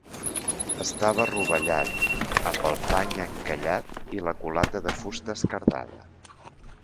Estava rovellat, amb el pany encallat i la culata de fusta esquerdada